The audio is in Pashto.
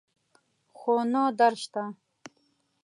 خو نه درد شته